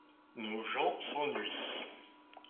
Nos gens s’ennuient.